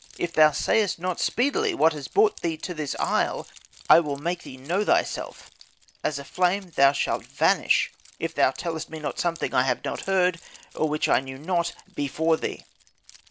If thou sayest not speedily what has brought thee to this isle, I will make thee know thyself; as a flame thou shalt vanish, if thou tellest me not something I have not heard, or which I knew not, before thee.'